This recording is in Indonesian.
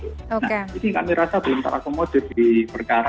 nah ini kami rasa belum terakomodir di perkara